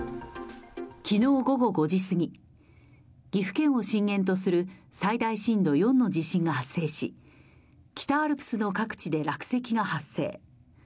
昨日午後５時すぎ、岐阜県を震源とする最大震度４の地震が発生し、北アルプスの各地で落石が発生。